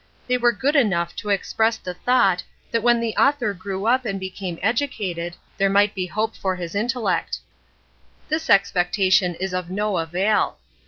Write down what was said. They were good enough to express the thought that when the author grew up and became educated there might be hope for his intellect. This expectation is of no avail.